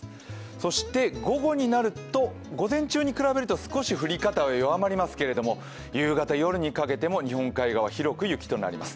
そして午後になると、午前中に比べると少し降り方は弱まりますけど夕方夜にかけても、日本海側広く雪になります。